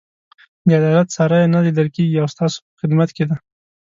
د عدالت ساری یې نه لیدل کېږي او ستاسو په خدمت کې دی.